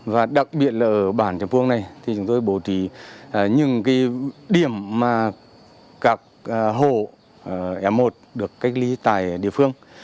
và đặc biệt là ở bản chằm puông này thì chúng tôi bố trí những điểm mà các hộ m một được cách ly tại địa phương